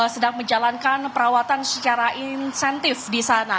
sedang menjalankan perawatan secara insentif di sana